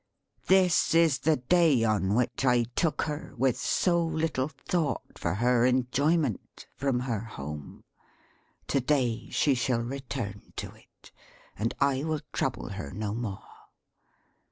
This is the day on which I took her, with so little thought for her enjoyment, from her home. To day she shall return to it; and I will trouble her no more.